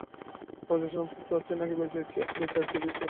লজ্জা শরম কিছু আছে, নাকি বেঁচে দিয়েছ?